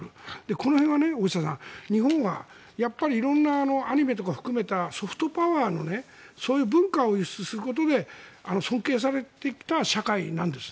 この辺は大下さん、日本は色んな、アニメとか含めたソフトパワーのそういう文化を輸出することで尊敬されてきた社会なんです。